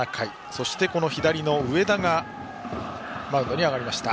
そして左の上田がマウンドに上がりました。